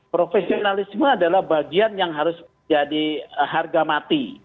profesionalisme adalah bagian yang harus jadi harga mati